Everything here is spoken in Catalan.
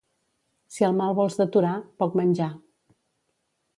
Si el mal vols deturar, poc menjar.